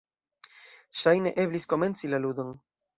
Ŝajne, eblis komenci la ludon.